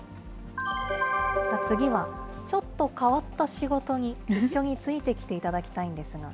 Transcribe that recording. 次は、ちょっと変わった仕事に一緒についてきていただきたいんですが。